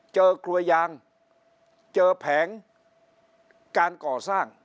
เจอกลัวยางเจอแผงการก่อสร้าง